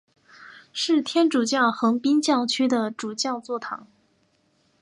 是天主教横滨教区的主教座堂。